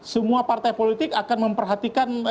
semua partai politik akan memperhatikan